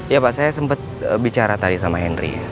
ya pak saya sempet bicara tadi sama henry